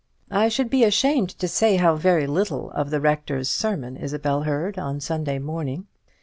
I should be ashamed to say how very little of the Rector's sermon Isabel heard on Sunday morning.